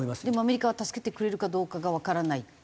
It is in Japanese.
でもアメリカは助けてくれるかどうかがわからない？